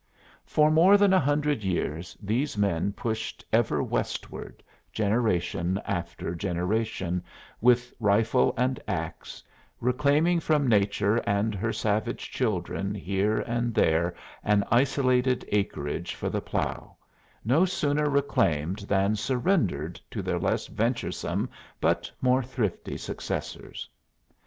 For more than a hundred years these men pushed ever westward, generation after generation, with rifle and ax, reclaiming from Nature and her savage children here and there an isolated acreage for the plow, no sooner reclaimed than surrendered to their less venturesome but more thrifty successors.